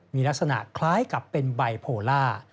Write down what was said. มีลักษณะคล้ายกับเป็นไบโพล่า